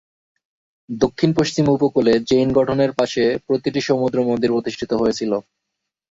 দক্ষিণ-পশ্চিম উপকূলে চেইন গঠনের পাশে প্রতিটি সমুদ্র মন্দির প্রতিষ্ঠিত হয়েছিল।